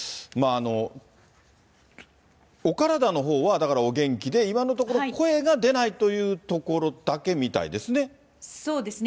お体のほうは、だからお元気で、今のところ声が出ないというところだけみたいですね？